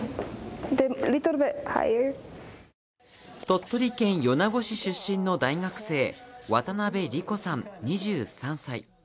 鳥取県米子市出身の大学生、渡邊莉瑚さん２３歳。